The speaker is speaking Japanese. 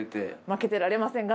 負けてられません。